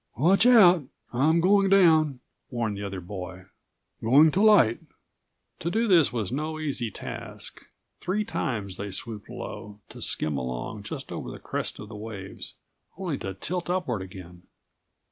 "Watch out, I'm going down," warned the other boy. "Going to light." To do this was no easy task. Three times they swooped low, to skim along just over the crest of the waves, only to tilt upward again.